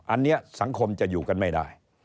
อันนี้สังคมจะอยู่กันไม่ได้